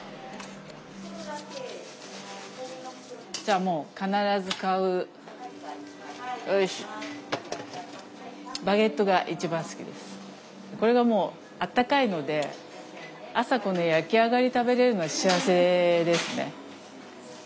じゃあもう必ず買うこれがもうあったかいので朝この焼き上がり食べれるのは幸せですね。